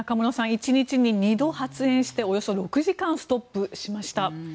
１日に２度発煙しておよそ６時間ストップしました。